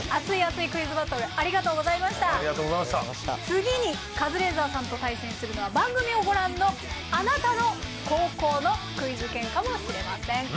次にカズレーザーさんと対戦するのは番組をご覧のあなたの高校のクイズ研かもしれません！